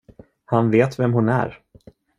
Han vet vem hon är.